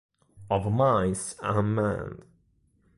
Of Mice and Men